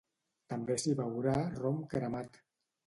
També s’hi beurà rom cremat.